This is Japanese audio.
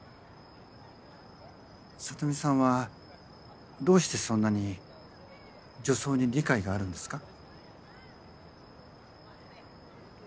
サトミさんはどうしてそんなに女装に理解があるんですか？